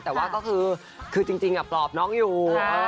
แต่ว่าก็คือจริงปลอบน้องอยู่